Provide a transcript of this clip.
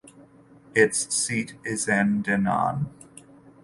Its seat is in Dinan.